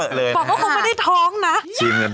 อันนี้เป็นมุกหรือจริง